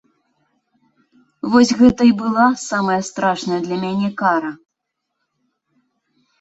Вось гэта і была самая страшная для мяне кара!